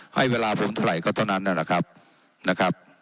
ให้เวลาผมเท่าไหร่ก็เท่านั้นนั่นแหละครับนะครับ